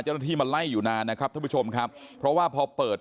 เจ้าหน้าที่มาไล่อยู่นานนะครับท่านผู้ชมครับเพราะว่าพอเปิด